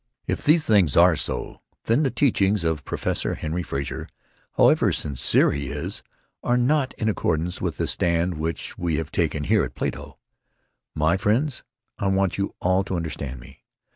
"If these things are so, then the teachings of Professor Henry Frazer, however sincere he is, are not in accordance with the stand which we have taken here at Plato. My friends, I want you all to understand me.